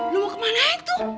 lu mau kemanaan tuh